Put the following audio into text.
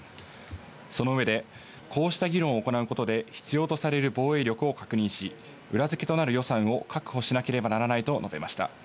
その上でこうした議論を行うことで必要とされる防衛力を確認し、裏付けとなる予算を確保しなければならないと述べました。